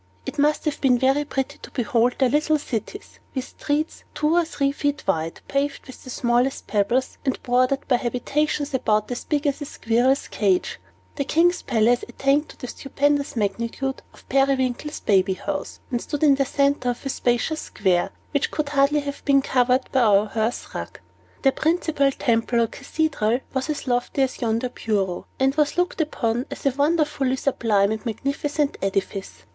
It must have been very pretty to behold their little cities, with streets two or three feet wide, paved with the smallest pebbles, and bordered by habitations about as big as a squirrel's cage. The king's palace attained to the stupendous magnitude of Periwinkle's baby house, and stood in the center of a spacious square, which could hardly have been covered by our hearth rug. Their principal temple, or cathedral, was as lofty as yonder bureau, and was looked upon as a wonderfully sublime and magnificent edifice.